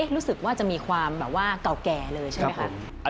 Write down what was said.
รู้สึกว่าจะมีความแบบว่าเก่าแก่เลยใช่ไหมคะ